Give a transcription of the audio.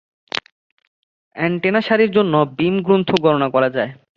Antenna সারির জন্য বিম প্রস্থ গণনা করা যায়।